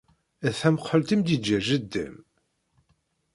D tamekḥelt i m-d-yeǧǧa jeddi-m?